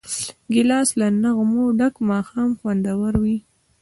ګیلاس له نغمو ډک ماښام خوندوروي.